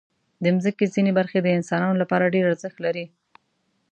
د مځکې ځینې برخې د انسانانو لپاره ډېر ارزښت لري.